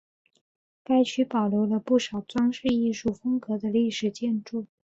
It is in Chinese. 该区保留了不少装饰艺术风格的历史建筑。